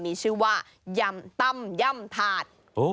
มีชื่อว่ายำตั้มย่ำถาด